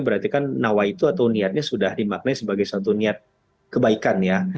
berarti kan nawai itu atau niatnya sudah dimaknai sebagai suatu niat kebaikan ya